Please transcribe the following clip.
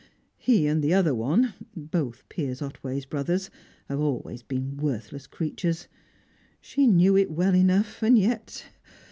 He and the other one both Piers Otway's brothers have always been worthless creatures. She knew it well enough, and yet